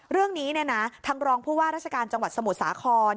เรื่องนี้ทางรองผู้ว่าราชการจังหวัดสมุทรสาคร